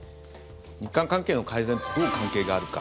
日韓関係の改善とどう関係があるか。